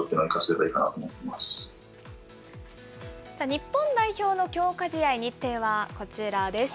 日本代表の強化試合、日程はこちらです。